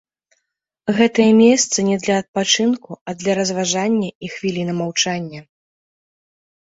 Гэтае месца не для адпачынку, а для разважання і хвіліны маўчання.